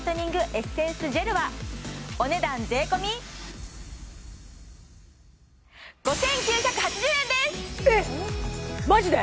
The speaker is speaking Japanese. エッセンスジェルはお値段税込５９８０円ですえっマジで？